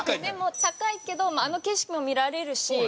でも高いけどあの景色も見られるし